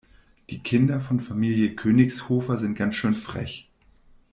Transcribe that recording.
Die Kinder von Familie Königshofer sind ganz schön frech.